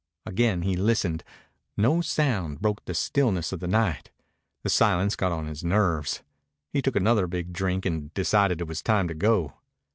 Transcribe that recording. Again he listened. No sound broke the stillness of the night. The silence got on his nerves. He took another big drink and decided it was time to go.